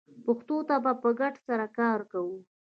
پښتو ته په ګډه سره کار کوو